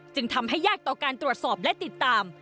จึงทำให้ยากต่อการตรวจสอบและติดตาม